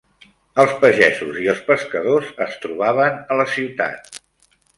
Els pagesos i els pescadors es trobaven a la ciutat.